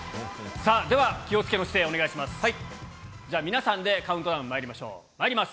さあ、では気をつけの姿勢をお願いします。